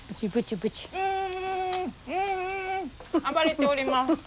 暴れております。